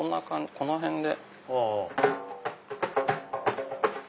この辺で。